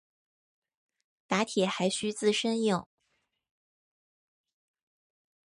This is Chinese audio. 打铁还需自身硬。